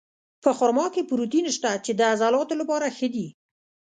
په خرما کې پروټین شته، چې د عضلاتو لپاره ښه دي.